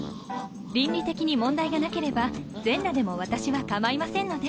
倫理的に問題がなければ全裸でも私は構いませんので。